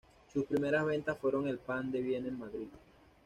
Sus primeras ventas fueron el pan de Viena en Madrid.